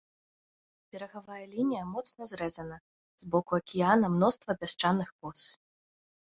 Берагавая лінія моцна зрэзана, з боку акіяна мноства пясчаных кос.